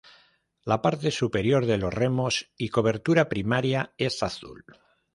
La parte superior de los remos y cobertura primaria es azul.